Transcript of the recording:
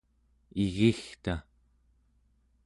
igigta